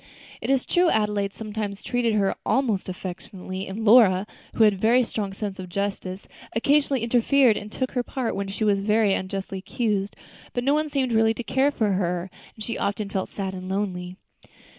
It is true, Adelaide sometimes treated her almost affectionately, and Lora, who had a very strong sense of justice, occasionally interfered and took her part when she was very unjustly accused, but no one seemed really to care for her, and she often felt sad and lonely.